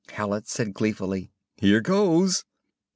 Hallet said gleefully; "Here goes!"